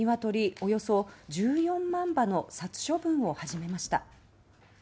およそ１４万羽の殺処分を始めました。